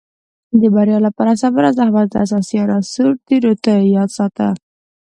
د بریا لپاره صبر او زحمت اساسي عناصر دي، نو تل یې یاد ساته.